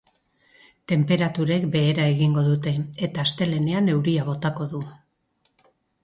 Tenperaturek behera egingo dute eta astelehenean euria botako du.